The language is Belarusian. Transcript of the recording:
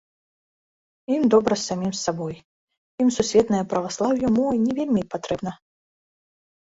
Ім добра самім з сабой, ім сусветнае праваслаўе мо не вельмі і патрэбна.